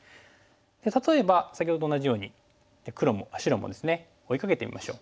例えば先ほどと同じように白もですね追いかけてみましょう。